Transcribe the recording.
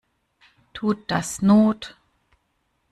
Tut das not?